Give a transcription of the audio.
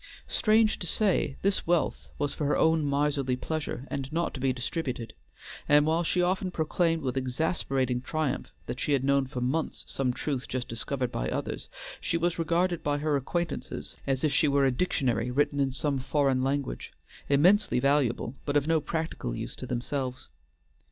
Strange to say this wealth was for her own miserly pleasure and not to be distributed, and while she often proclaimed with exasperating triumph that she had known for months some truth just discovered by others, she was regarded by her acquaintances as if she were a dictionary written in some foreign language; immensely valuable, but of no practical use to themselves.